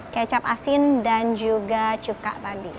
kecap asin dan juga cuka tadi